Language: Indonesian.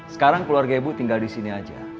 sekarang keluarga ibu tinggal disini aja